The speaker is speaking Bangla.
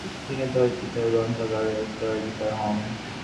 তিনি তার পিতার গ্রন্থাগারের উত্তরাধিকার হন।